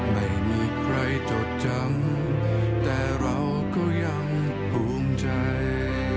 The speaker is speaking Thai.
ไม่มีใครจดจำแต่เราก็ยังภูมิใจ